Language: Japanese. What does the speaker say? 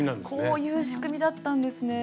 こういう仕組みだったんですね。